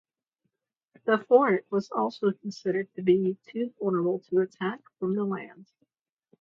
The fort was also considered to be too vulnerable to attack from the land.